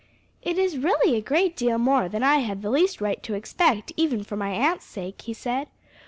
"It is really a great deal more than I had the least right to expect even for my aunt's sake," he said.